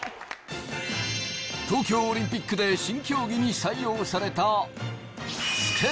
東京オリンピックで新競技に採用された。